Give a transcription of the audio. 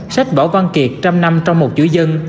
sách võ văn kiệt trăm năm trong một chủ dân